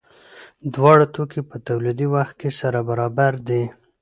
دواړه توکي په تولیدي وخت کې سره برابر دي.